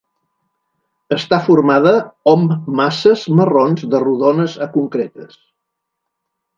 Està formada om masses marrons de rodones a concretes.